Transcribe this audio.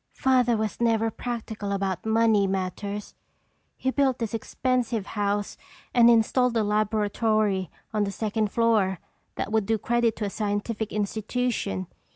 "Father was never practical about money matters. He built this expensive house and installed a laboratory on the second floor that would do credit to a scientific institution.